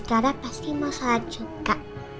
asgara pasti mau sholat juga